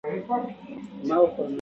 د بازار څارنه د دولت دنده ده.